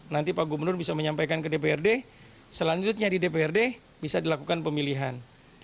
nanti pak gubernur bisa menyampaikan ke dprd selanjutnya di dprd bisa dilakukan pemilihan